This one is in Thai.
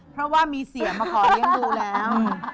เพราะว่ามีเสียมาขอเลี้ยงดูแล้ว